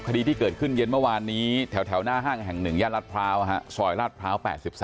คดีที่เกิดขึ้นเย็นเมื่อวานนี้แถวหน้าห้างแห่ง๑ย่านรัฐพร้าวซอยลาดพร้าว๘๓